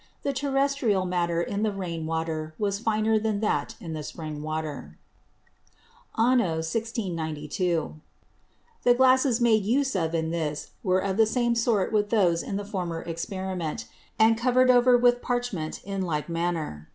The Terrestrial Matter in the Rain water was finer than that in the Spring water. Anno 1692. The Glasses made use of in this, were of the same sort with those in the former Experiment; and cover'd over with Parchment in like manner.